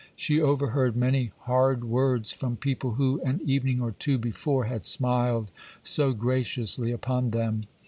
She overheard many hard words from people who an evening or two before had smiled so graciously upon them.